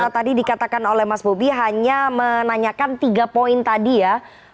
tadi dikatakan oleh mas bobi hanya menanyakan tiga poin tadi ya